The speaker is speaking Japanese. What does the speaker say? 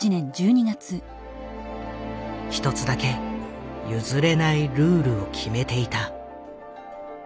一つだけ譲れないルールを決めていた。